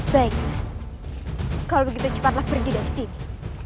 baik kalau begitu cepatlah pergi dari sini